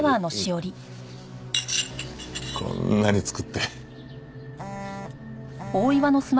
こんなに作って。